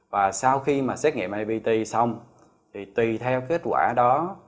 và sau khi mà xét nghiệm ip xong thì tùy theo kết quả đó